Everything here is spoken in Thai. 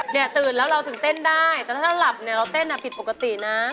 เนี่ยตื่นแล้วเราถึงเต้นได้แต่ถ้าหลับเนี่ยเราเต้นผิดปกตินะ